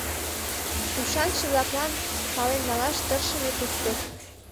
Ушанче-влаклан — пален налаш тыршыме тушто.